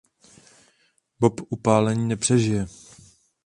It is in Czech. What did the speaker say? Bob upálení nepřežije.